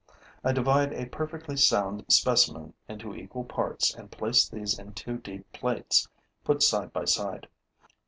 I divide a perfectly sound specimen into equal parts and place these in two deep plates, put side by side.